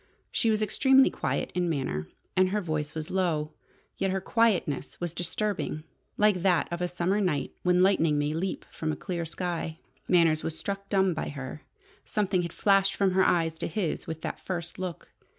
She was extremely quiet in manner, and her voice was low. Yet her quietness was disturbing, like that of a summer night when lightning may leap from a clear sky. Manners was struck dumb by her. Something had flashed from her eyes to his with that first look.